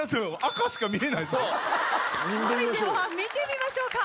では見てみましょうか。